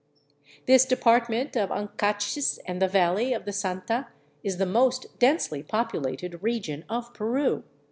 This depart ment of Ancachs and the valley of the Santa is the most densely popu lated region of Peru.